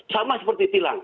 sama seperti tilang